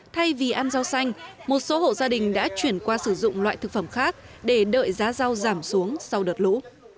thay vì ăn rau xanh một số hộ gia đình đã chuyển qua sử dụng loại thực phẩm khác để đợi giá rau giảm xuống sau đợt lũ